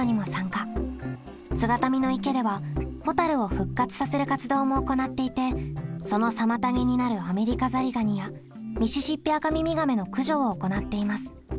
姿見の池ではホタルを復活させる活動も行っていてその妨げになるアメリカザリガニやミシシッピアカミミガメの駆除を行っています。